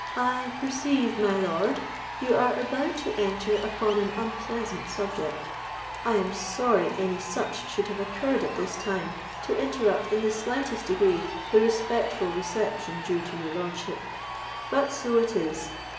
"I perceive, my lord, you are about to enter upon an unpleasant subject. I am sorry any such should have occurred at this time, to interrupt in the slightest degree the respectful reception due to your lordship; but so it is.